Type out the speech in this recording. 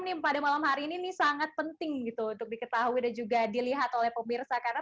nih pada malam hari ini sangat penting gitu untuk diketahui dan juga dilihat oleh pemirsa karena